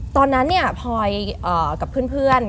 ตอนนั้นพอยกับเพื่อน